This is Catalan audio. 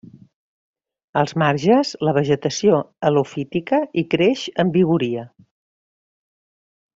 Als marges, la vegetació helofítica hi creix amb vigoria.